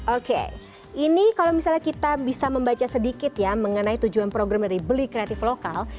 oke ini kalau misalnya kita bisa membaca sedikit ya mengenai tujuan program dari beli kreatif lokal